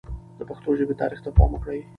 د پښتو ژبې تاریخ ته پام وکړئ.